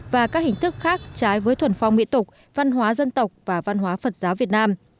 và các hình thức khác trái với thuần phong mỹ tục văn hóa dân tộc và văn hóa phật giáo việt nam